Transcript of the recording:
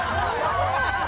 ハハハハ！